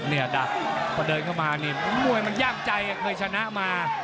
เนี่ยดับพอเดินเข้ามานี่มุยมันยากใจเคยชนะมา